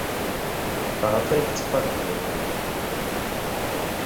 Tā teikts pareģojumā.